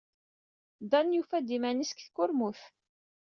Dan yufa-d iman-is deg tkurmut.